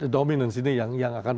dominan sini yang akan